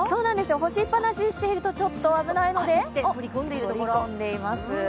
干しっぱなしにしていると、ちょっと危ないので、焦って取り込んでいます。